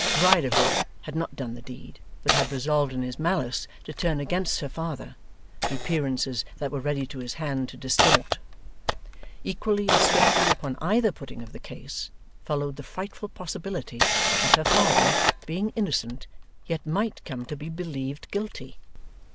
Riderhood had not done the deed, but had resolved in his malice to turn against her father, the appearances that were ready to his hand to distort. Equally and swiftly upon either putting of the case, followed the frightful possibility that her father, being innocent, yet might come to be believed guilty.